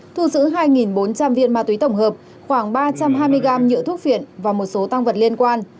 thu giữ hai bốn trăm linh viên ma túy tổng hợp khoảng ba trăm hai mươi gam nhựa thuốc phiện và một số tăng vật liên quan